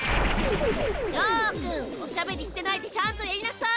ジョーくんおしゃべりしてないでちゃんとやりなさい！